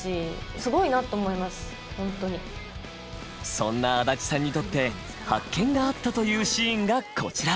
そんな足立さんにとって発見があったというシーンがこちら。